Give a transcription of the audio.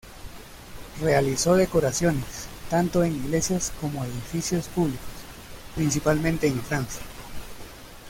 Realizó decoraciones, tanto en iglesias como edificios públicos, principalmente en Francia.